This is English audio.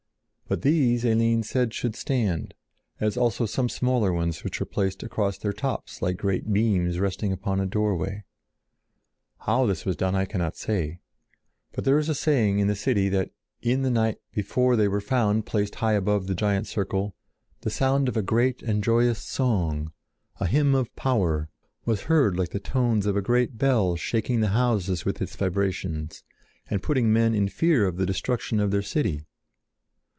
But these Eline said should stand, as also some smaller ones which were placed across their tops like great beams resting upon a doorway. How this was done I cannot say; but there is a saying in the city that, in the night before they were found placed high above the giant circle, the sound of a great and joyous song, a hymn of power, was heard like the tones of a great bell shaking the houses with its vibrations and putting men in fear of the destruction of their city.